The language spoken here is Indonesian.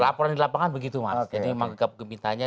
laporan di lapangan begitu mas jadi memang gugup gemitanya